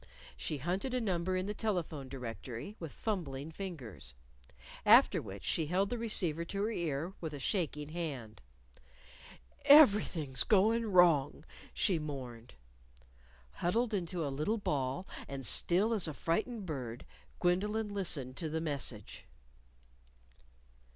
She hunted a number in the telephone directory with fumbling fingers. After which she held the receiver to her ear with a shaking hand. "Everything's goin' wrong," she mourned. Huddled into a little ball, and still as a frightened bird, Gwendolyn listened to the message.